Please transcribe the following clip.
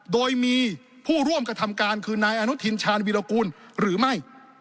โดยมีผู้ร่วมกระทำการคือนายอนุทินชาญวิรากูลหรือไม่